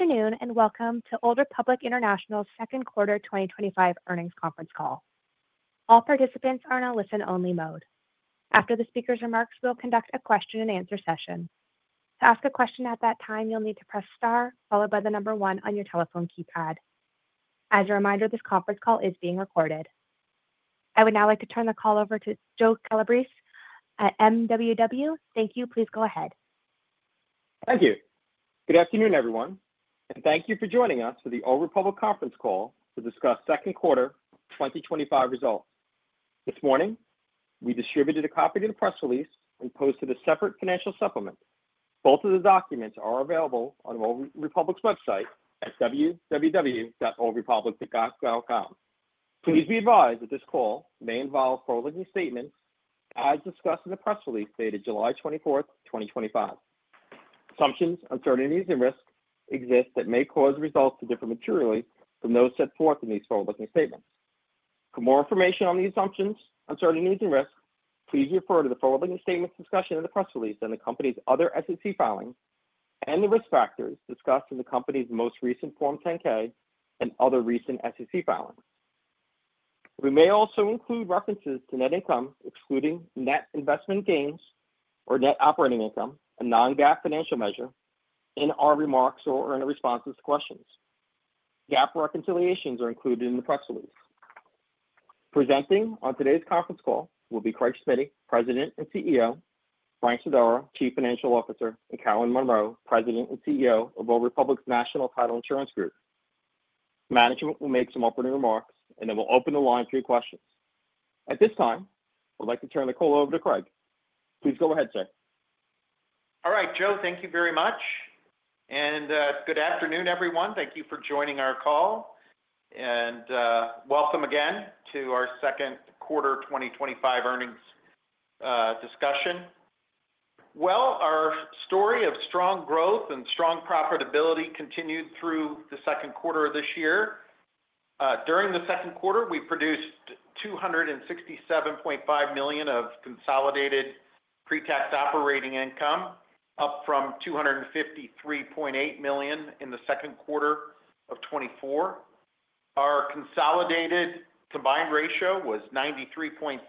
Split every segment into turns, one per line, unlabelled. Good afternoon, and welcome to Old Republic International's Second Quarter twenty twenty five Earnings Conference Call. All participants are in a listen only mode. After the speakers' remarks, we will conduct a question and answer session. As a reminder, this conference call is being recorded. I would now like to turn the call over to Joe Calabrese at MWW. Thank you. Please go ahead.
Thank you. Good afternoon, everyone, and thank you for joining us for the Old Republic conference call to discuss second quarter twenty twenty five results. This morning, we distributed a copy of the press release and posted a separate financial supplement. Both of the documents are available on Republic's website at ww.oldrepublic.gov.com. Please be advised that this call may involve forward looking statements as discussed in the press release dated 07/24/2025. Assumptions, uncertainties and risks exist that may cause results to differ materially from those set forth in these forward looking statements. For more information on the assumptions, uncertainties and risks, please refer to the forward looking statements discussion in the press release and the company's other SEC filings and the risk factors discussed in the company's most recent Form 10 ks and other recent SEC filings. We may also include references to net income, excluding net investment gains or net operating income, a non GAAP financial measure, in our remarks or in a responses to questions. GAAP reconciliations are included in the press release. Presenting on today's conference call will be Craig Spetty, President and CEO Frank Sadara, Chief Financial Officer and Carolyn Munro, President and CEO of Old Republic's National Title Insurance Group. Management will make some opening remarks, and then we'll open the line for your questions. At this time, I'd like to turn the call over to Craig. Please go ahead, sir.
All right, Joe. Thank you very much, and good afternoon, everyone. Thank you for joining our call, and welcome again to our second quarter twenty twenty five earnings discussion. Well, our story of strong growth and strong profitability continued through the second quarter of this year. During the second quarter, we produced $267,500,000 of consolidated pretax operating income, up from $253,800,000 in the second quarter of twenty four. Our consolidated combined ratio was 93.6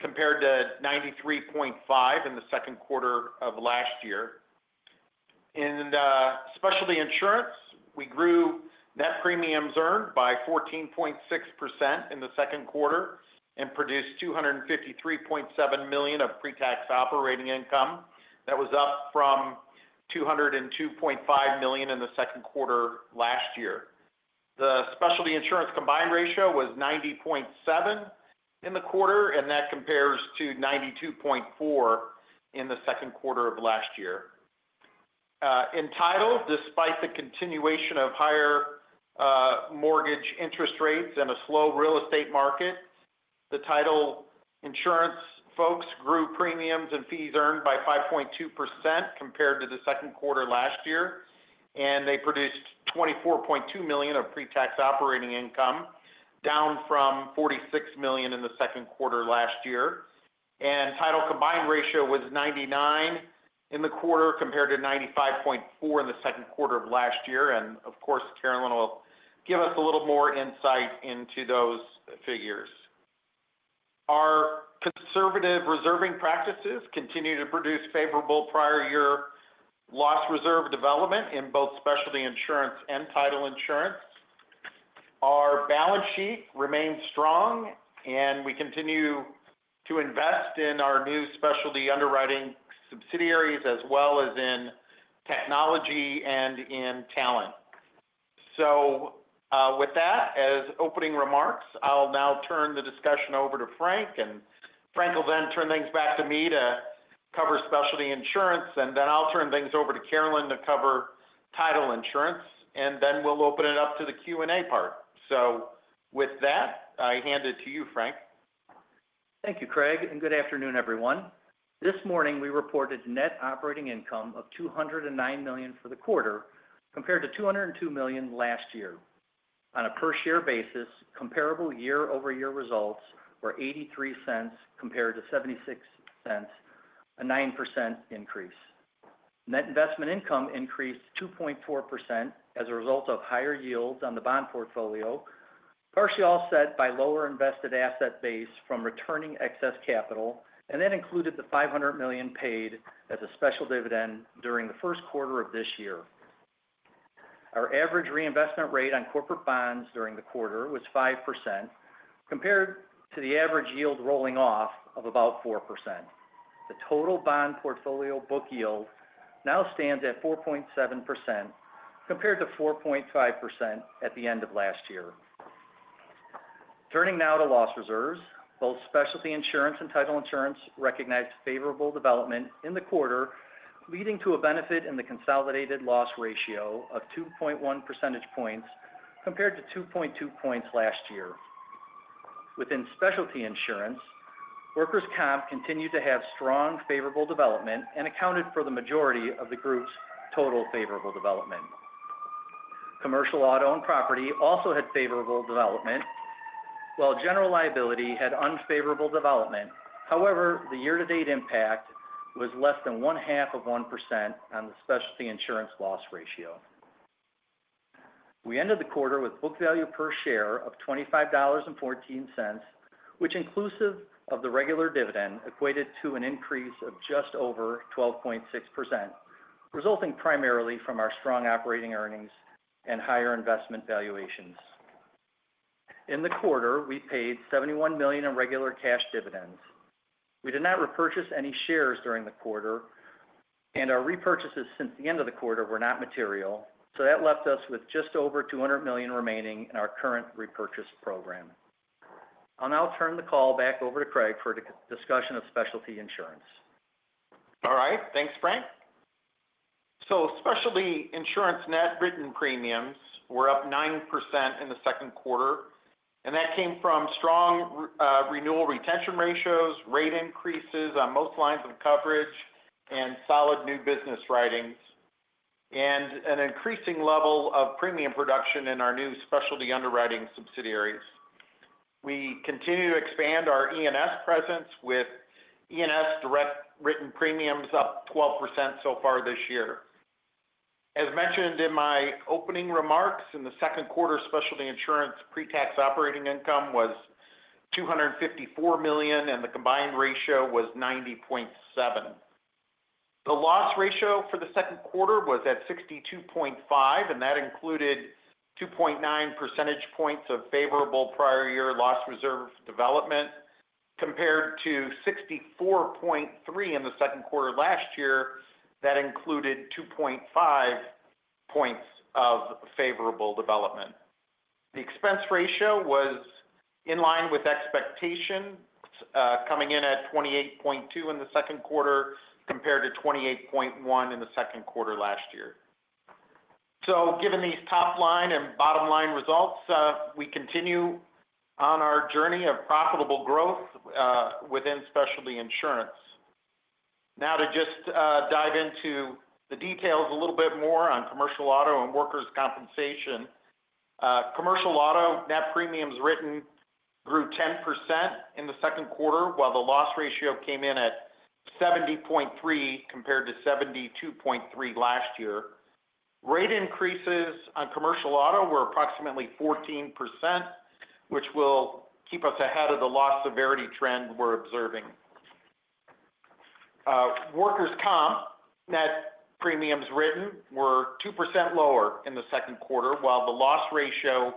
compared to 93.5 in the second quarter of last year. In the specialty insurance, we grew net premiums earned by 14.6% in the second quarter and produced $253,700,000 of pretax operating income. That was up from $202,500,000 in the second quarter last year. The specialty insurance combined ratio was 90.7% in the quarter and that compares to 92.4% in the second quarter of last year. Entitled, despite the continuation of higher mortgage interest rates and a slow real estate market. The title insurance folks grew premiums and fees earned by 5.2% compared to the second quarter last year, and they produced $24,200,000 of pretax operating income, down from $46,000,000 in the second quarter last year. And title combined ratio was 99 in the quarter compared to 95.4% in the second quarter of last year. And of course, Carolyn will give us a little more insight into those figures. Our conservative reserving practices continue to produce favorable prior year loss reserve development in both specialty insurance and title insurance. Our balance sheet remains strong, and we continue to invest in our new specialty underwriting subsidiaries as well as in technology and in talent. So, with that as opening remarks, I'll now turn the discussion over to Frank. And Frank will then turn things back to me to cover specialty insurance. And then I'll turn things over to Carolyn to cover title insurance, and then we'll open it up to the q and a part. So with that, I hand it to you, Frank.
Thank you, Craig, and good afternoon, everyone. This morning, we reported net operating income of $2.00 $9,000,000 for the quarter compared to $2.00 $2,000,000 last year. On a per share basis, comparable year over year results were $0.83 compared to $0.76 a 9% increase. Net investment income increased 2.4% as a result of higher yields on the bond portfolio, partially offset by lower invested asset base from returning excess capital and then included the $500,000,000 paid as a special dividend during the first quarter of this year. Our average reinvestment rate on corporate bonds during the quarter was 5% compared to the average yield rolling off of about 4%. The total bond portfolio book yield now stands at 4.7% compared to 4.5 at the end of last year. Turning now to loss reserves. Both Specialty Insurance and Title Insurance recognized favorable development in the quarter, leading to a benefit in the consolidated loss ratio of 2.1 percentage points compared to 2.2 points last year. Within Specialty Insurance, workers' comp continued to have strong favorable development and accounted for the majority of the group's total favorable development. Commercial auto owned property also had favorable development, while general liability had unfavorable development. However, the year to date impact was less than 0.5% on the specialty insurance loss ratio. We ended the quarter with book value per share of $25.14 which inclusive of the regular dividend equated to an increase of just over 12.6% resulting primarily from our strong operating earnings and higher investment valuations. In the quarter, we paid $71,000,000 in regular cash dividends. We did not repurchase any shares during the quarter and our repurchases since the end of the quarter were not material, so that left us with just over $200,000,000 remaining in our current repurchase program. I'll now turn the call back over to Craig for a discussion of specialty insurance.
All right. Thanks, Frank. So Specialty Insurance net written premiums were up 9% in the second quarter, and that came from strong, renewal retention ratios, rate increases on most lines of coverage and solid new business writings and an increasing level of premium production in our new specialty underwriting subsidiaries. We continue to expand our E and S presence with E and S direct written premiums up 12% so far this year. As mentioned in my opening remarks, in the second quarter, Insurance pretax operating income was $254,000,000 and the combined ratio was 90.7. The loss ratio for the second quarter was at 62.5, and that included 2.9 percentage points of favorable prior year loss reserve development compared to 64.3 in the second quarter last year that included 2.5 points of favorable development. The expense ratio was in line with expectation, coming in at 28.2 in the second quarter compared to 28.1% in the second quarter last year. So given these top line and bottom line results, we continue on our journey of profitable growth, within Specialty Insurance. Now to just, dive into the details a little bit more on commercial auto and workers' compensation. Commercial auto net premiums written grew 10% in the second quarter, while the loss ratio came in at 70.3% compared to 72.3% last year. Rate increases on commercial auto were approximately 14%, which will keep us ahead of the loss severity trend we're observing. Workers' comp net premiums written were 2% lower in the second quarter, while the loss ratio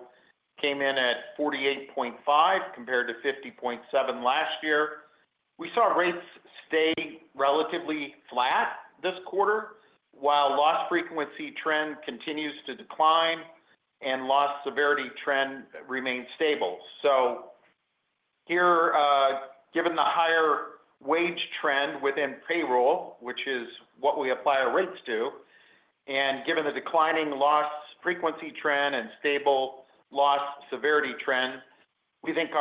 came in at 48.5% compared to 50.7% last year. We saw rates stay relatively flat this quarter, while loss frequency trend continues to decline and loss severity trend remains stable. So here, given the higher wage trend within payroll, which is what we apply our rates to, and given the declining loss frequency trend and stable loss severity trend, we think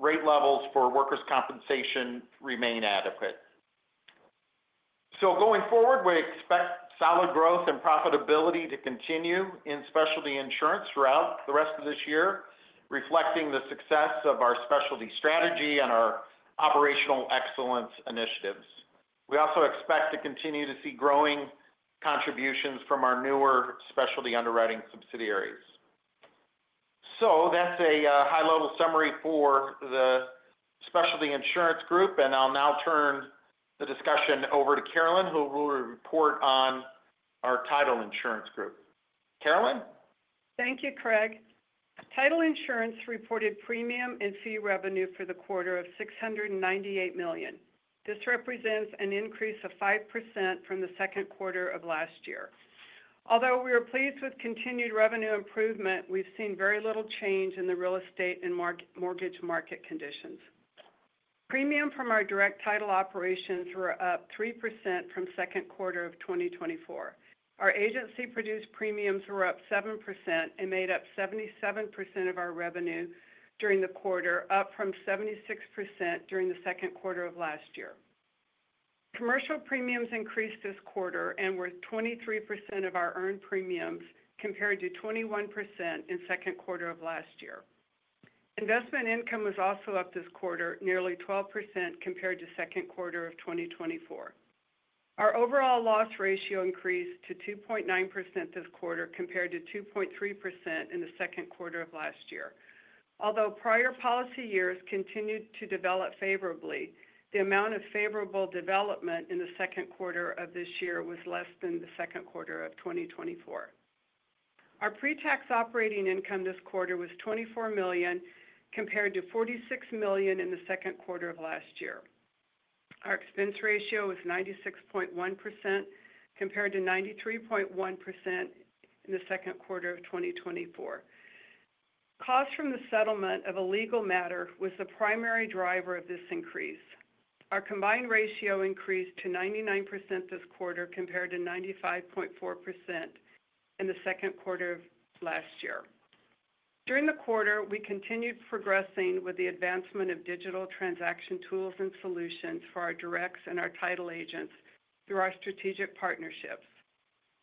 our rate levels for workers' compensation remain adequate. So going forward, we expect solid growth and profitability to continue in Specialty Insurance throughout the rest of this year, reflecting the success of our specialty strategy and our operational excellence initiatives. We also expect to continue to see growing contributions from our newer specialty underwriting subsidiaries. So that's a high level summary for the Specialty Insurance Group, and I'll now turn the discussion over to Carolyn, who will report on our Title Insurance Group. Carolyn?
Thank you, Craig. Title Insurance reported premium and fee revenue for the quarter of $698,000,000 This represents an increase of 5% from the second quarter of last year. Although we are pleased with continued revenue improvement, we've seen very little change in the real estate and mortgage market conditions. Premium from our direct title operations were up 3% from second quarter of twenty twenty four. Our agency produced premiums were up 7% and made up 77% of our revenue during the quarter, up from 76% during the second quarter of last year. Commercial premiums increased this quarter and were 23% of our earned premiums compared to 21% in second quarter of last year. Investment income was also up this quarter, nearly 12% compared to second quarter of twenty twenty four. Our overall loss ratio increased to 2.9% this quarter compared to 2.3% in the second quarter of last year. Although prior policy years continued to develop favorably, the amount of favorable development in the second quarter of this year was less than the second quarter of twenty twenty four. Our pretax operating income this quarter was $24,000,000 compared to $46,000,000 in the second quarter of last year. Our expense ratio was 96.1% compared to 93.1 in the second quarter of twenty twenty four. Cost from the settlement of a legal matter was the primary driver of this increase. Our combined ratio increased to 99% this quarter compared to 95.4% in the second quarter of last year. During the quarter, we continued progressing with the advancement of digital transaction tools solutions for our directs and our title agents through our strategic partnerships.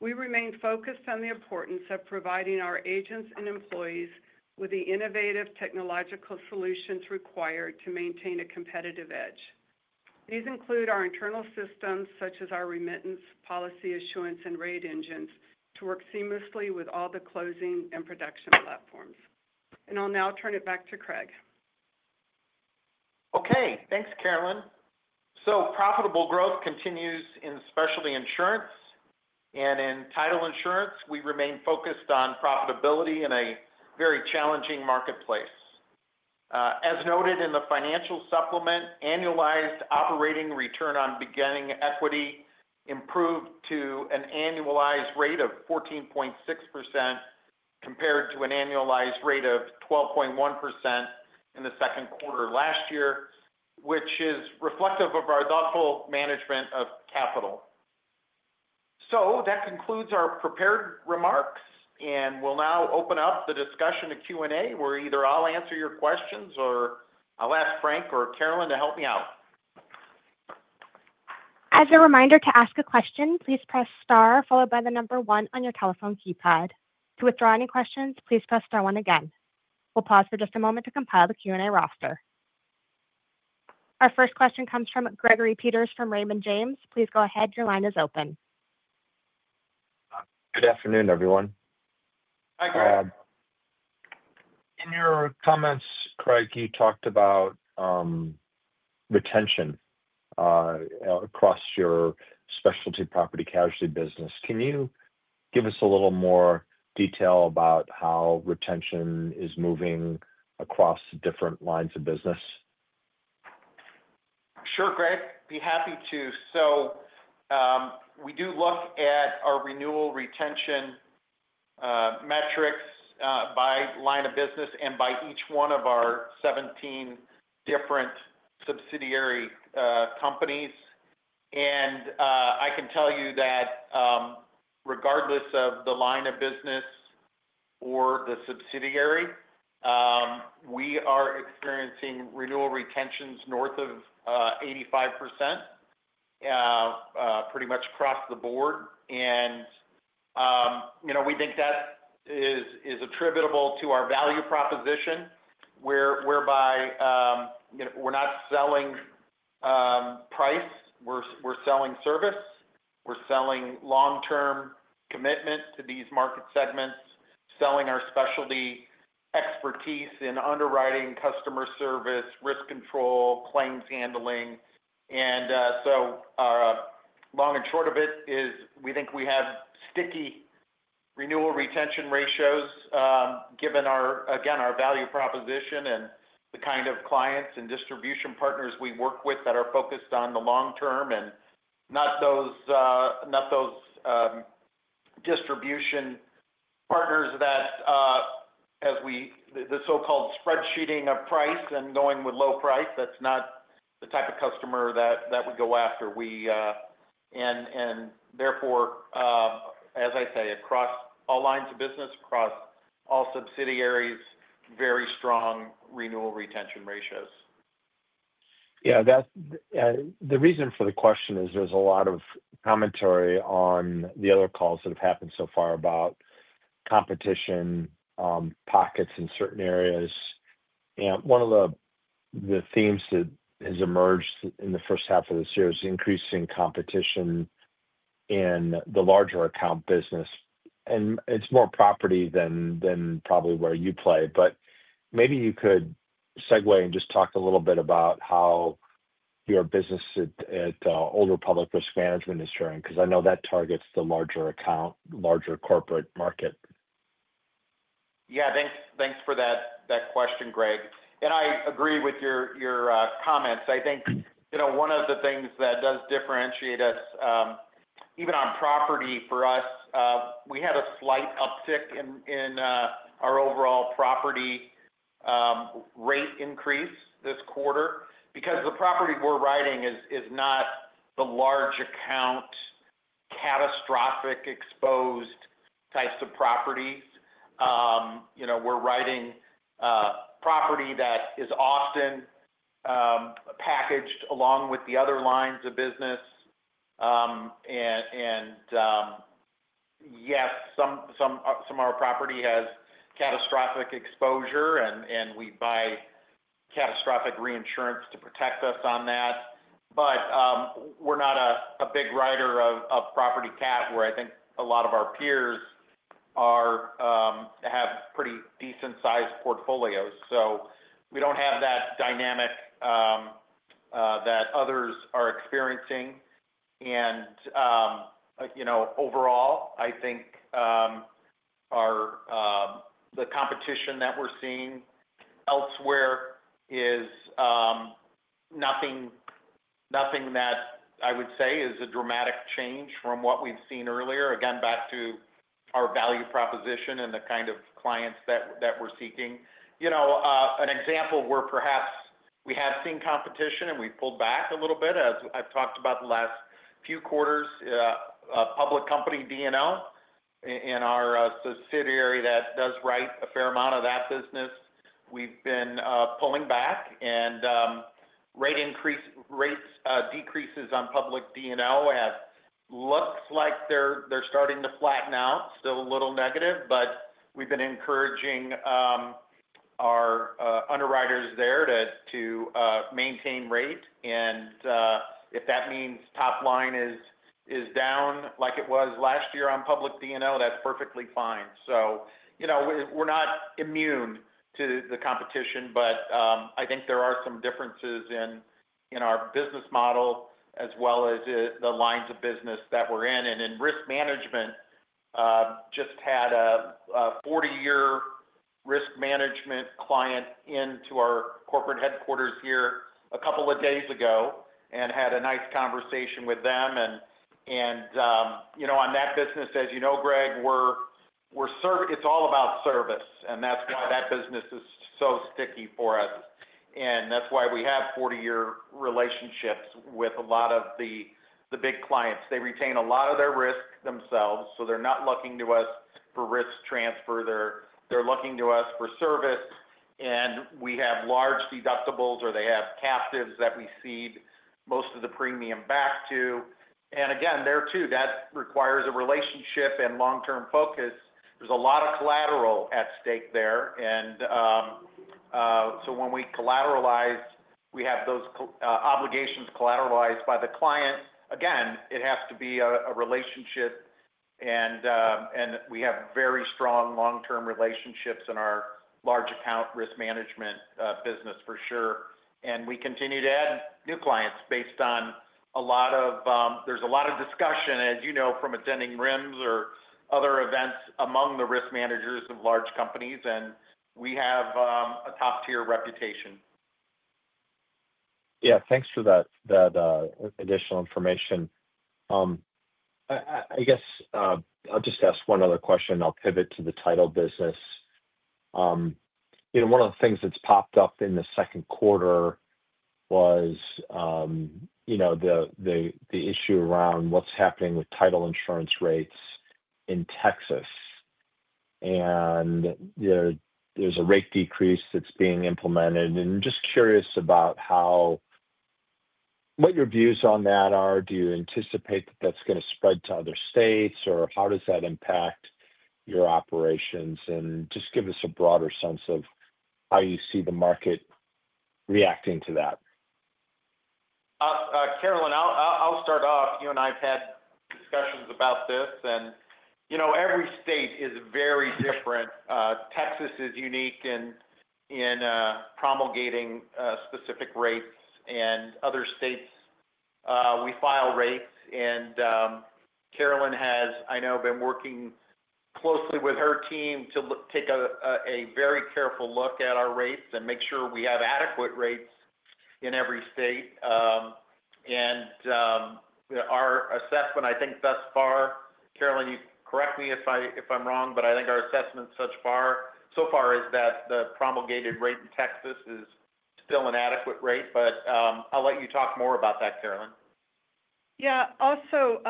We remain focused on the importance of providing our agents and employees with the innovative technological solutions required to maintain a competitive edge. These include our internal systems such as our remittance, policy assurance, and rate engines to work seamlessly with all the closing and production platforms. And I'll now turn it back to Craig.
Okay. Thanks, Carolyn. So profitable growth continues in Specialty Insurance. And in Title Insurance, we remain focused on profitability in a very challenging marketplace. As noted in the financial supplement, annualized operating return on beginning equity improved to an annualized rate of 14.6% compared to an annualized rate of 12.1% in the second quarter last year, which is reflective of our thoughtful management of capital. So that concludes our prepared remarks, and we'll now open up the discussion to Q and A, where either I'll answer your questions or I'll ask Frank or Carolyn to help me out.
Our first question comes from Gregory Peters from Raymond James. Please go ahead. Your line is open.
Good afternoon, everyone.
Hi, Greg.
In your comments, Craig, you talked about retention across your specialty property casualty business. Can you give us a little more detail about how retention is moving across different lines of business?
Sure, Greg. Be happy to. So, we do look at our renewal retention, metrics, by line of business and by each one of our 17 different subsidiary, companies. And, I can tell you that, regardless of the line of business or the subsidiary, We are experiencing renewal retentions north of, 85%, pretty much across the board. And, you know, we think that is is attributable to our value proposition where whereby, we're not selling, price. We're we're selling service. We're selling long term commitment to these market segments, selling our specialty expertise in underwriting, customer service, risk control, claims handling. And, so long and short of it is we think we have sticky renewal retention ratios given our, again, our value proposition and the kind of clients and distribution partners we work with that are focused on the long term and not those, not those distribution partners that, as we the the so called spreadsheeting of price and going with low price, that's not the type of customer that that would go after. We and and, therefore, as I say, across all lines of business, across all subsidiaries, very strong renewal retention ratios.
Yeah. That the reason for the question is there's a lot of commentary on the other calls that have happened so far about competition, pockets in certain areas. And one of the the themes that has emerged in the first half of this year is increasing competition in the larger account business. And it's more property than probably where you play. But maybe you could segue and just talk a little bit about how your business at at, Older Public Risk Management is showing because I know that targets the larger account, larger corporate market.
Yeah. Thanks thanks for that that question, Greg. And I agree with your your, comments. I think, one of the things that does differentiate us, even on property for us, we had a slight uptick in our overall property, rate increase this quarter because the property we're writing is is not the large account catastrophic exposed types of properties. You know, we're writing, property that is often packaged along with the other lines of business. And and, yes, some some some of our property has catastrophic exposure, and and we buy catastrophic reinsurance to protect us on that. But, we're not a a big writer of of property cat where I think a lot of our peers are, have pretty decent sized portfolios. So we don't have that dynamic, that others are experiencing. And, you know, overall, I think our, the competition that we're seeing elsewhere is, nothing nothing that I would say is a dramatic change from what we've seen earlier. Again, back to our value proposition and the kind of clients that that we're seeking. You know, an example where perhaps we have seen competition and we pulled back a little bit as I've talked about the last few quarters, public company D and L in our, subsidiary that does write a fair amount of that business, we've been, pulling back. And, rate increase rates, decreases on public d and l have looks like they're they're starting to flatten out, still a little negative, but we've been encouraging our, underwriters there to to, maintain rate. And, if that means top line is is down like it was last year on public d and l, that's perfectly fine. So, you know, we're not immune to the competition, but, I think there are some differences in in our business model as well as the lines of business that we're in. And in risk management, just had a a forty year risk management client into our corporate headquarters here a couple of days ago and had a nice conversation with them. And and, you know, on that business, as you know, Greg, we're we're serve it's all about service, and that's why that business is so sticky for us. And that's why we have forty year relationships with a lot of the the big clients. They retain a lot of their risk themselves, so they're not looking to us for risk transfer. They're they're looking to us for service. And we have large deductibles or they have captives that we seed most of the premium back to. And, again, there too, that requires a relationship and long term focus. There's a lot of collateral at stake there. And, so when we collateralize, we have those, obligations collateralized by the client. Again, it has to be a a relationship, and, and we have very strong long term relationships in our large account risk management, business for sure. And we continue to add new clients based on a lot of, there's a lot of discussion, as you know, from attending RIMs or other events among the risk managers of large companies, and we have, a top tier reputation.
Yes. Thanks for that that, additional information. I guess I'll just ask one other question. I'll pivot to the title business. One of the things that's popped up in the second quarter was the issue around what's happening with title insurance rates in Texas. And there's a rate decrease that's being implemented. And just curious about how what your views on that are? Do you anticipate that that's going to spread to other states? Or how does that impact your operations? And just give us a broader sense of how you see the market reacting to that.
Caroline, I'll I'll I'll start off. You and I have had discussions about this. And, you know, every state is very different. Texas is unique in in, promulgating, specific rates. And other states, we file rates. And, Carolyn has, I know, been working closely with her team to look take a a very careful look at our rates and make sure we have adequate rates in every state. And, our assessment, I think, thus far Caroline, you correct me if I if I'm wrong, but I think our assessment such far so far is that the promulgated rate in Texas is still an adequate rate, but, I'll let you talk more about that, Carolyn.
Yeah. Also,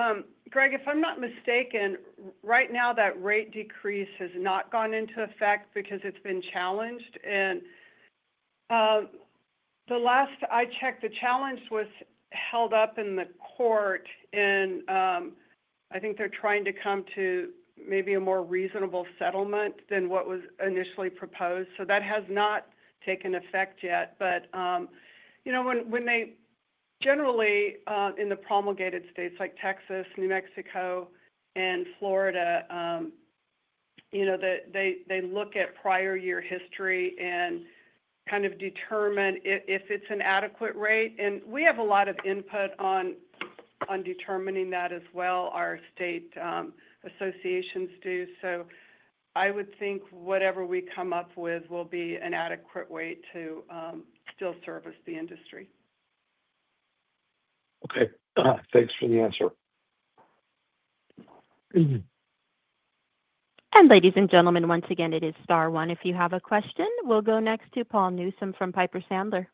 Greg, if I'm not mistaken, right now that rate decrease has not gone into effect because it's been challenged. And the last I checked, the challenge was held up in the court, and, I think they're trying to come to maybe a more reasonable settlement than what was initially proposed. So that has not taken effect yet. But, you know, when when they generally, in the promulgated states like Texas, New Mexico, and Florida, you know, the they they look at prior year history and kind of determine if if it's an adequate rate. And we have a lot of input on on determining that as well, our state, associations do. So I would think whatever we come up with will be an adequate way to, still service the industry.
Okay. Thanks for the answer.
We'll go next to Paul Newsome from Piper Sandler.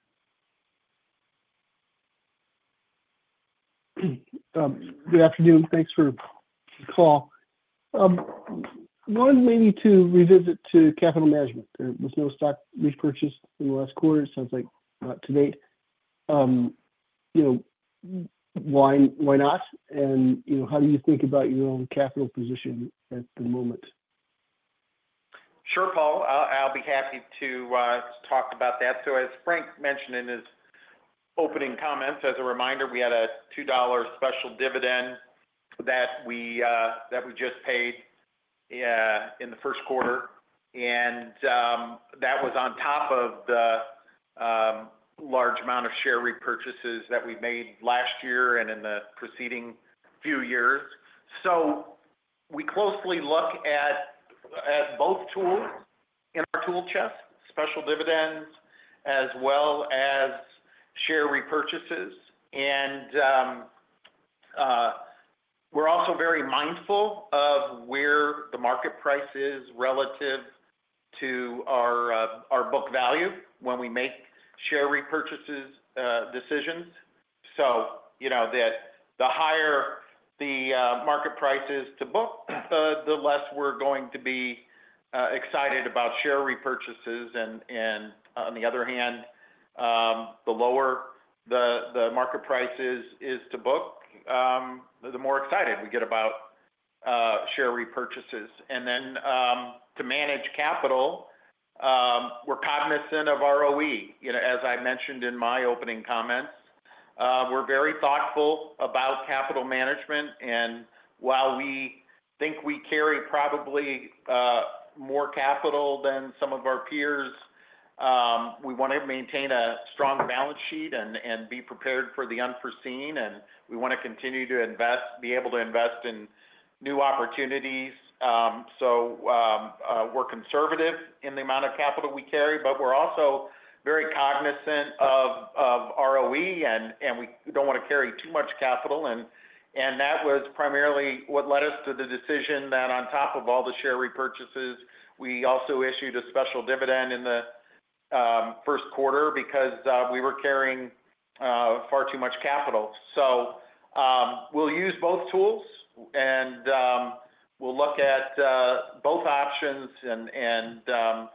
One, maybe to revisit to capital management. There was no stock repurchase in the last quarter, sounds like not to date. Why not? And how do you think about your own capital position at the moment?
Sure, Paul. I'll be happy to talk about that. So as Frank mentioned in his opening comments, as a reminder, we had a $2 special dividend that we just paid in the first quarter. And, that was on top of the, large amount of share repurchases that we've made last year and in the preceding few years. So we closely look at both tools in our tool chest, special dividends as well as share repurchases. And we're also very mindful of where the market price is relative to our, our book value when we make share repurchases, decisions. So, you know, that the higher the market prices to book, the the less we're going to be, excited about share repurchases. And and on the other hand, the lower the the market prices is to book, the more excited we get about share repurchases. And then, to manage capital, we're cognizant of ROE. You know, as I mentioned in my opening comments, We're very thoughtful about capital management. And while we think we carry probably, more capital than some of our peers, we want to maintain a strong balance sheet and and be prepared for the unforeseen, unforeseen and we want to continue to invest be able to invest in new opportunities. So, we're conservative in the amount of capital we carry, but we're also very cognizant of ROE and we don't want to carry too much capital. And that was primarily what led us to the decision that on top of all the share repurchases, we also issued a special dividend in the first quarter because we were carrying far too much capital. So we'll use both tools, and we'll look at both options and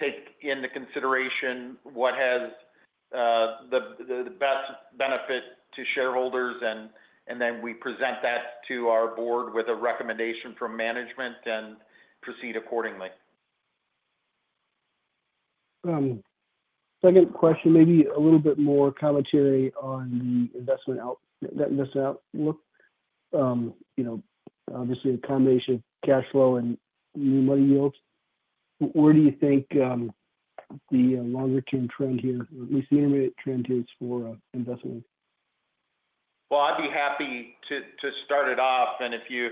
take into consideration what has the best benefit to shareholders. And then we present that to our board with a recommendation from management and proceed accordingly.
Second question, maybe a little bit more commentary on the investment outlook, obviously, combination of cash flow and new money yields. Where do you think the longer term trend here, at least the intermediate trend is for investment?
Well, I'd be happy to start it off. And if you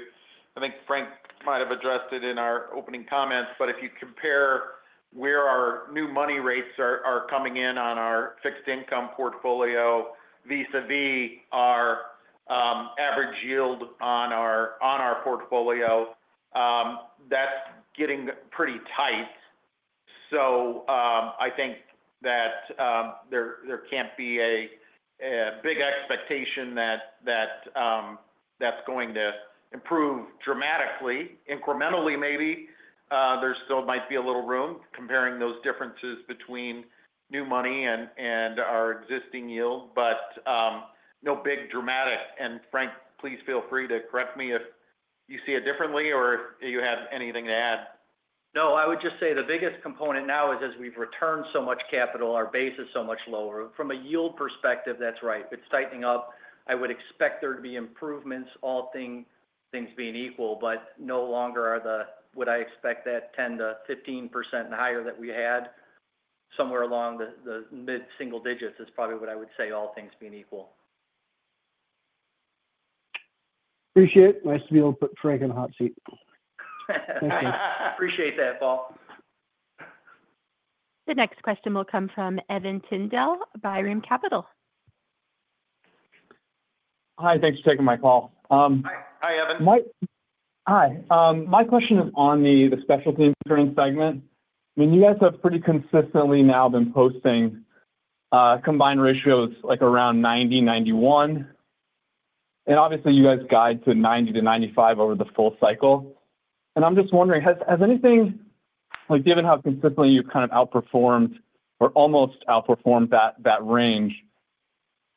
I think Frank might have addressed it in our opening comments, but if you compare where our new money rates are are coming in on our fixed income portfolio vis a vis our, average yield on our on our portfolio, that's getting pretty tight. So, I think that, there there can't be a a big expectation that that, that's going to improve dramatically. Incrementally, maybe There still might be a little room comparing those differences between new money and our existing yield, but no big dramatic. And Frank, please feel free to correct me if you see it differently or do you have anything to add?
No. I would just say the biggest component now is as we've returned so much capital, our base is so much lower. From a yield perspective, that's right. It's tightening up. I would expect there to be improvements, all things being equal, but no longer are the would I expect that 10 to 15% higher that we had somewhere along the the mid single digits is probably what I would say, all things being equal.
Appreciate it. Nice to be able to put Frank in a hot seat.
Okay. Appreciate that, Paul.
The next question will come from Evan Tindell, Byron Capital.
Hi. Thanks for taking my call. Hi. Hi, Evan. My hi. My question is on the the specialty insurance segment. I mean, you guys have pretty consistently now been posting combined ratios, like, around ninety, ninety one. And, obviously, you guys guide to 90 to 95 over the full cycle. And I'm just wondering, has has anything like, given how consistently you've kind of outperformed or almost outperformed that that range,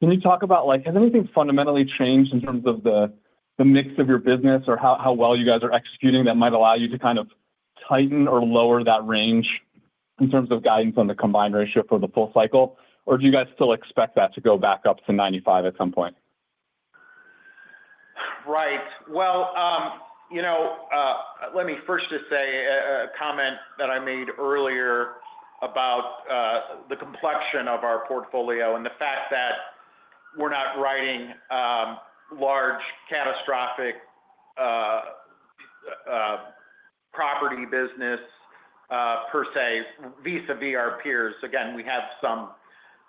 can you talk about, like has anything fundamentally changed in terms of the the mix of your business or how how well you guys are executing that might allow you to kind of tighten or lower that range in terms of guidance on the combined ratio for the full cycle? Or do you guys still expect that to go back up to 95 at some point?
Right. Well, you know, let me first just say a comment that I made earlier about, the complexion of our portfolio and the fact that we're not writing, large catastrophic property business per se vis a vis our peers. Again, we have some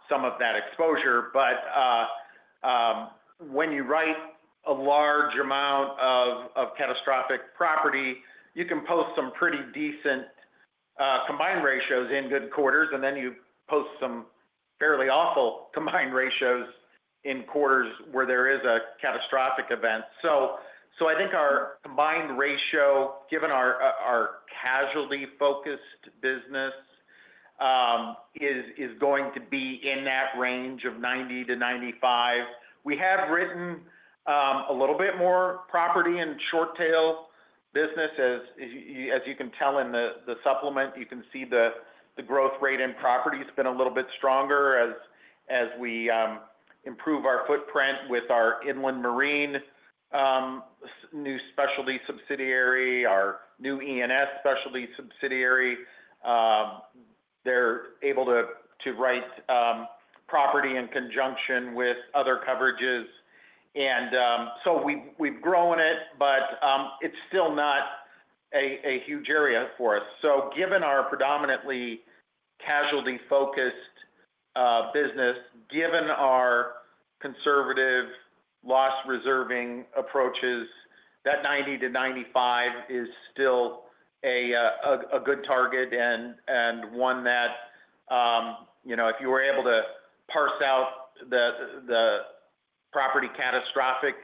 some of that exposure. But when you write a large amount of of catastrophic property, you can post some pretty decent combined ratios in good quarters and then you post some fairly awful combined ratios in quarters where there is a catastrophic event. So I think our combined ratio, given our casualty focused business, is going to be in that range of 90% to 95%. We have written, a little bit more property and short tail businesses. As you can tell in the supplement, you can see growth rate in property has been a little bit stronger as as we, improve our footprint with our inland marine, new specialty subsidiary, our new E and S specialty subsidiary. They're able to to write, property in conjunction with other coverages. And, so we we've grown it, but, it's still not a a huge area for us. So given our predominantly casualty focused, business, given our conservative loss reserving approaches, that 90 to 95 is still a a good target and and one that, you know, if you were able to parse out the the property catastrophic,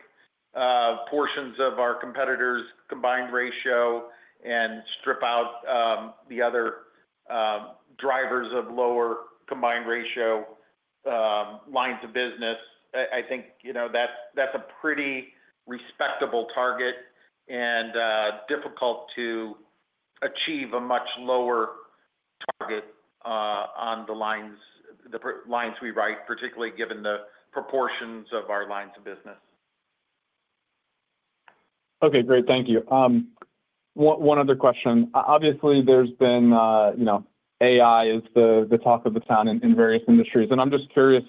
portions of our competitors combined ratio and strip out, the other drivers of lower combined ratio, lines of business, I think, you know, that's that's a pretty respectable target and, difficult to achieve a much lower target, on the lines the lines we write, particularly given the proportions of our lines of business.
Okay. Great. Thank you. One other question. Obviously, there's been, you know, AI is the the talk of the town in in various industries. And I'm just curious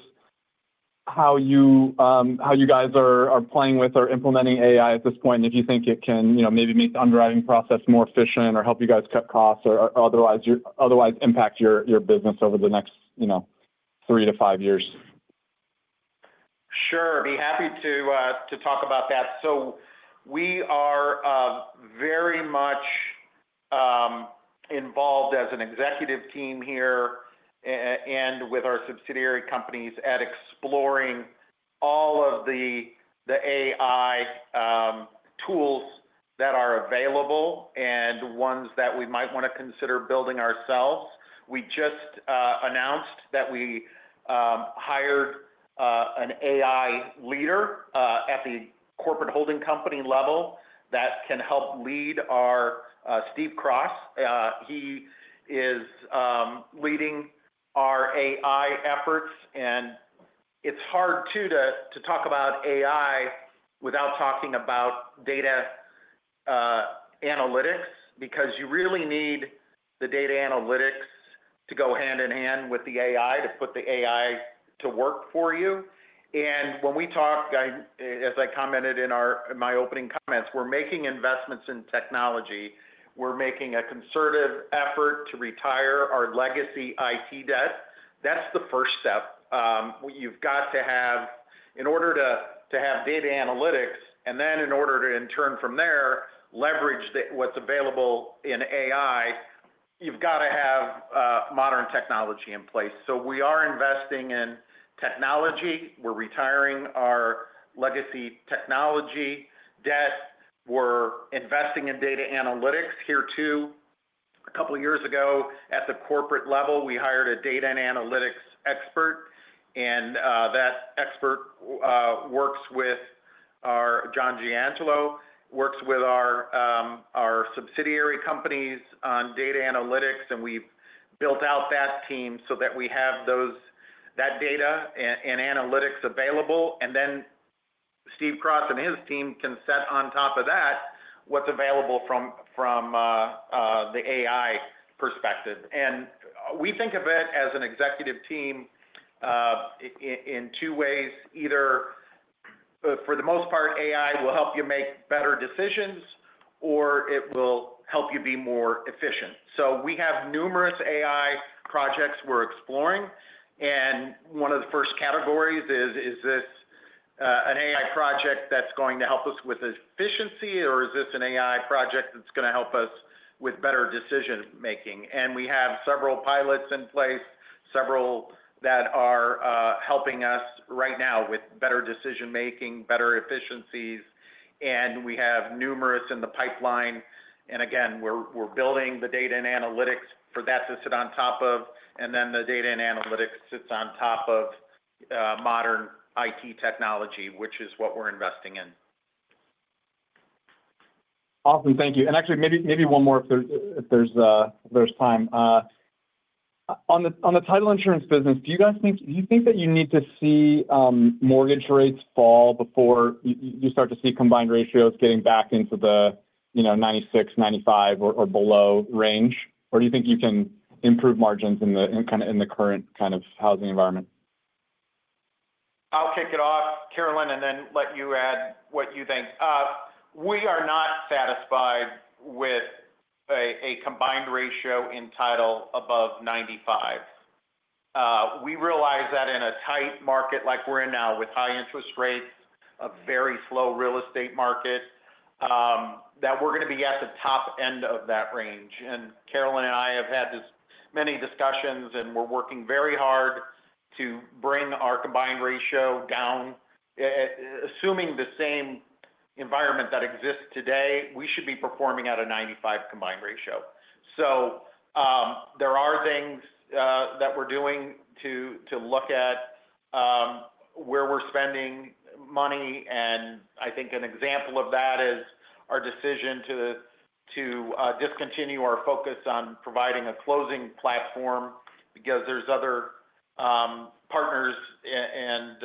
how you, how you guys are are playing with or implementing AI at this point. If you think it can, you know, maybe make the underwriting process more efficient or help you guys cut costs or otherwise your otherwise impact your your business over the next, you know, three to five years.
Sure. I'd be happy to, to talk about that. So we are very much involved as an executive team here and with our subsidiary companies at exploring all of the the AI, tools that are available and ones that we might wanna consider building ourselves. We just, announced that we, hired, an AI leader, at the corporate holding company level that can help lead our, Steve Cross. He is, leading our AI efforts, and it's hard to to to talk about AI without talking about data analytics because you really need the data analytics to go hand in hand with the AI to put the AI to work for you. And when we talk, as I commented in our my opening comments, we're making investments in technology. We're making a concerted effort to retire our legacy IT debt. That's the first step. You've got to have in order to to have data analytics and then in order to, in turn from there, leverage the what's available in AI, you've gotta have, modern technology in place. So we are investing in technology. We're retiring our legacy technology debt. We're investing in data analytics here too. A couple of years ago, at the corporate level, we hired a data and analytics expert, and, that expert, works with our John Giangelo, works with our, our subsidiary companies on data analytics and we've built out that team so that we have those that data and analytics available. And then Steve Cross and his team can set on top of that what's available from from, the AI perspective. And we think of it as an executive team in two ways, either for the most part AI will help you make better decisions or it will help you be more efficient. So we have numerous AI projects we're exploring. And one of the first categories is, is this an AI project that's going to help us with efficiency? Or is this an AI project that's going to help us with better decision making? And we have several pilots in place, several that are, helping us right now with better decision making, better efficiencies, and we have numerous in the pipeline. And again, we're we're building the data and analytics for that to sit on top of, and then the data and analytics sits on top of, modern IT technology, which is what we're investing in.
Awesome. Thank you. And, actually, maybe maybe one more if there's if there's, there's time. On the on the title insurance business, do you guys think do you think that you need to see, mortgage rates fall before you you start to see combined ratios getting back into the, you know, 96, 95 or or below range? Or do you think you can improve margins in the in kinda in the current kind of housing environment?
I'll kick it off, Caroline, and then let you add what you think. We are not satisfied with a a combined ratio in title above 95. We realized that in a tight market like we're in now with high interest rates, a very slow real estate market, that we're gonna be at the top end of that range. And Caroline and I have had this many discussions, and we're working very hard to bring our combined ratio down. Assuming the same environment that exists today, we should be performing at a 95 combined ratio. So, there are things, that we're doing to to look at, where we're spending money. And I think an example of that is our decision to discontinue our focus on providing a closing platform because there's other, partners and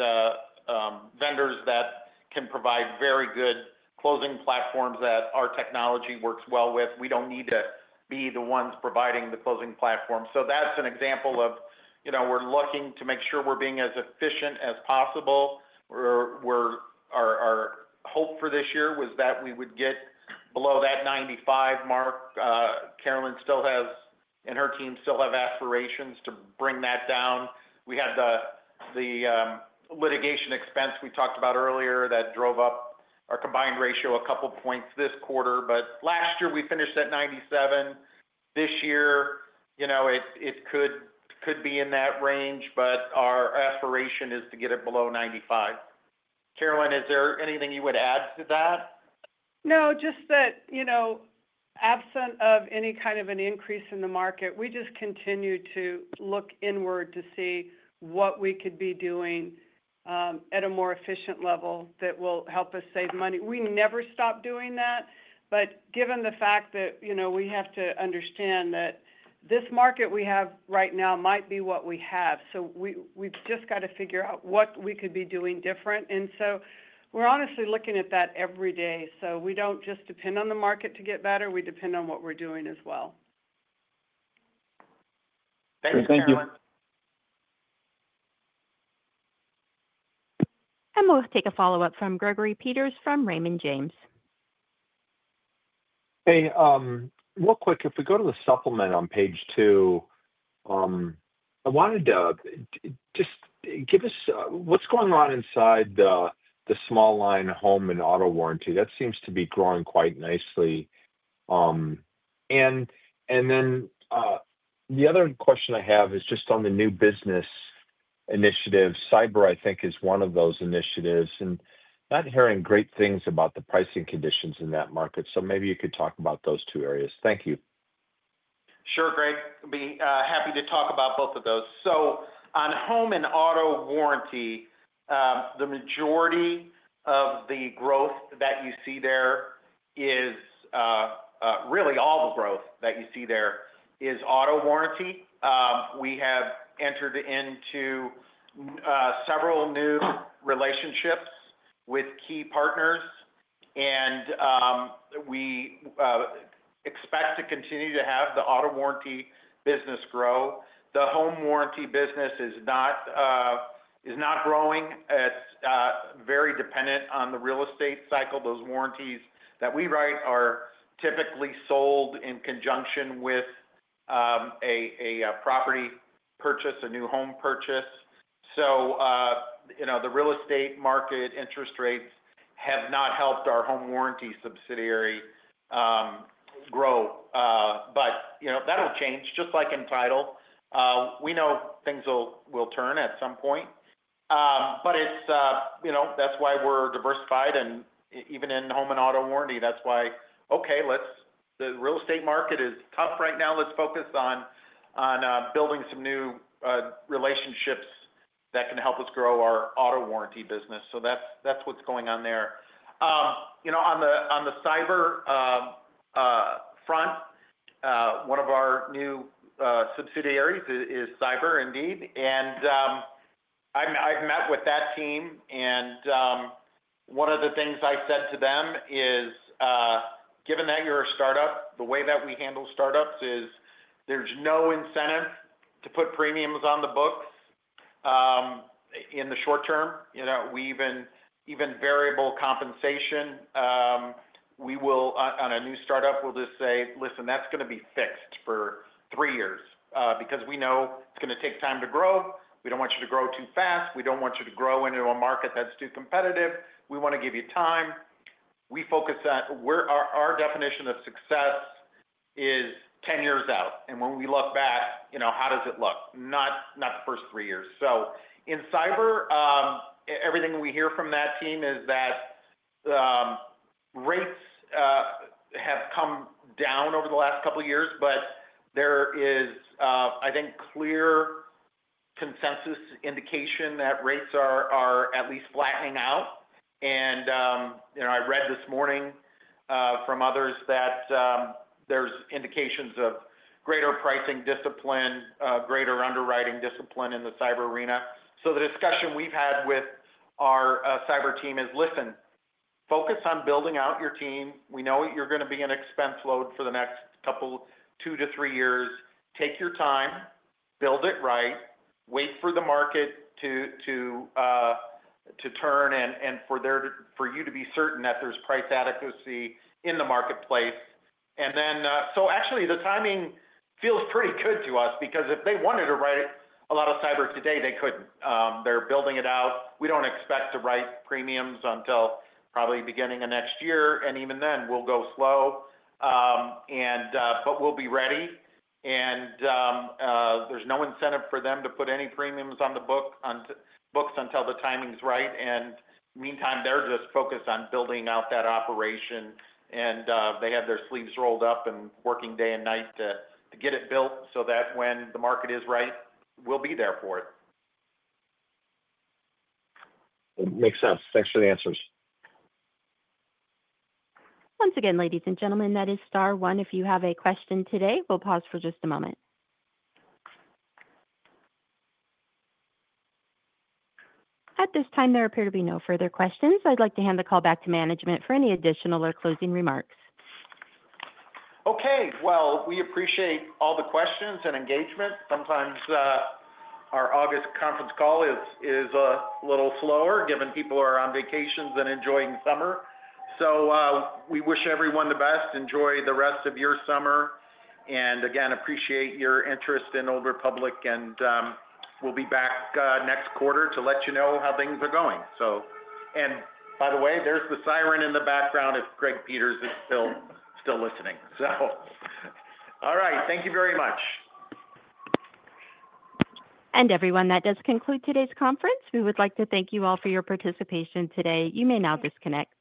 vendors that can provide very good closing platforms that our technology works well with. We don't need to be the ones providing the closing platform. So that's an example of we're looking to make sure we're being as efficient as possible. We're our hope for this year was that we would get below that 95 mark. Carolyn still has and her team still have aspirations to bring that down. We had the, litigation expense we talked about earlier that drove up our combined ratio a couple points this quarter. But last year, we finished at 97. This year, you know, it it could could be in that range, but our aspiration is to get it below 95. Caroline, is there anything you would add to that?
No. Just that, you know, absent of any kind of an increase in the market, we just continue to look inward to see what we could be doing, at a more efficient level that will help us save money. We never stopped doing that. But given the fact that, you know, we have to understand that this market we have right now might be what we have. So we we've just gotta figure out what we could be doing different. And so we're honestly looking at that every day. So we don't just depend on the market to get better. We depend on what we're doing as well.
Thanks, Caroline.
And we'll take a follow-up from Gregory Peters from Raymond James.
Hey. Real quick. If we go to the supplement on page two, I wanted to just give us what's going on inside the the small line home and auto warranty? That seems to be growing quite nicely. And and then, the other question I have is just on the new business initiatives. Cyber, I think, is one of those initiatives. And not hearing great things about the pricing conditions in that market. So maybe you could talk about those two areas. Thank you.
Sure, Greg. I'd be happy to talk about both of those. So on home and auto warranty, the majority of the growth that you see there is, really all the growth that you see there is auto warranty. We have entered into, several new relationships with key partners, and, we expect to continue to have the auto warranty business grow. The home warranty business is not, is not growing. It's, very dependent on the real estate cycle. Those warranties that we write are typically sold in conjunction with, a a property purchase, a new home purchase. So, you know, the real estate market interest rates have not helped our home warranty subsidiary, grow. But, you know, that'll change just like in title. We know things will will turn at some point. But it's, you know, that's why we're diversified. And even in home and auto warranty, that's why, okay, let's the real estate market is tough right now. Let's focus on on, building some new, relationships that can help us grow our auto warranty business. So that's that's what's going on there. You know, on the on the cyber front, one of our new, subsidiaries is Cyber Indeed. And I'm I've met with that team. And one of the things I said to them is, given that you're a start up, the way that we handle start ups is there's no incentive to put premiums on the books, in the short term. You know, we even even variable compensation. Will, on a new start up, we'll just say, listen. That's gonna be fixed for three years, because we know it's gonna take time to grow. We don't want you to grow too fast. We don't want you to grow into a market that's too competitive. We wanna give you time. We focus on where our our definition of success is ten years out. And when we look back, you know, how does it look? Not not the first three years. So in cyber, everything we hear from that team is that rates have come down over the last couple of years, but there is, I think, consensus indication that rates are are at least flattening out. And, you know, I've read this morning, from others that, there's indications of greater pricing discipline, greater underwriting discipline in the cyber arena. So the discussion we've had with our cyber team is, listen, Focus on building out your team. We know you're gonna be an expense load for the next couple two to three years. Take your time. Build it right. Wait for the market to to to turn and and for their for you to be certain that there's price adequacy in the marketplace. And then, so actually, the timing feels pretty good to us because if they wanted to write a lot of cyber today, they could. They're building it out. We don't expect to write premiums until probably beginning of next year, and even then, we'll go slow. And but we'll be ready. And, there's no incentive for them to put any premiums on the book books until the timing's right. And meantime, they're just focused on building out that operation. And, they have their sleeves rolled up and working day and night to to get it built so that when the market is right, we'll be there for it.
Makes sense. Thanks for the answers.
At this time, there appear to be no further questions. I'd like to hand the call back to management for any additional or closing remarks.
Okay. Well, we appreciate all the questions and engagement. Sometimes our August conference call is a little slower given people are on vacations and enjoying summer. So we wish everyone the best. Enjoy the rest of your summer. And again, appreciate your interest in Old Republic. And we'll be back next quarter to let you know how things are going. So and by the way, there's the siren in the background if Greg Peters is still listening. So all right. Thank you very much.
And everyone, that does conclude today's conference. We would like to thank you all for your participation today. You may now disconnect.